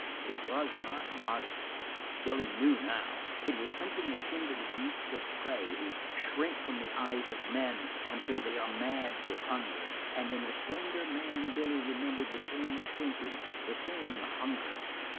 It was not modesty. Billy knew now; it was something akin to the beasts of prey, who shrink from the eyes of men until they are mad with hunger, and in the slender man Billy remembered the same shrinking, the same hunger.